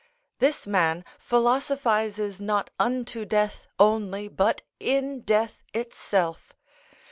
This man philosophises not unto death only, but in death itself.